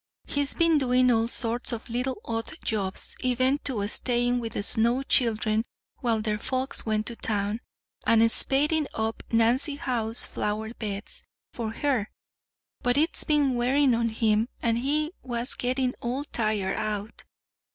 He's been doing all sorts of little odd jobs, even to staying with the Snow children while their folks went to town, and spading up Nancy Howe's flower beds for her. But it's been wearing on him, and he was getting all tired out.